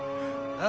あ？